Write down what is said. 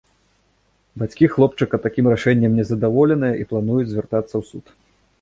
Бацькі хлопчыка такім рашэннем не задаволеныя і плануюць звяртацца ў суд.